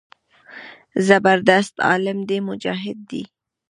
زبردست عالم دى مجاهد دى.